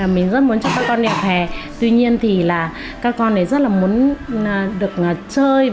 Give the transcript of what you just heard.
mình rất muốn cho các con nẻo hè tuy nhiên thì là các con này rất là muốn được chơi